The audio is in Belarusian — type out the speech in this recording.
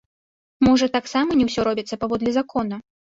Можа, таксама не ўсё робіцца паводле закона?